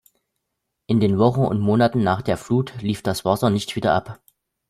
In den Wochen und Monaten nach der Flut lief das Wasser nicht wieder ab.